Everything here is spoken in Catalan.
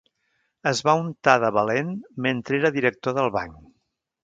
Es va untar de valent mentre era director del banc.